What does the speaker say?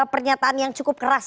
pernyataan yang cukup keras